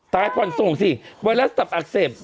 ผ่อนส่งสิไวรัสตับอักเสบ